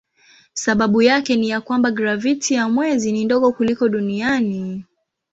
Sababu yake ni ya kwamba graviti ya mwezi ni ndogo kuliko duniani.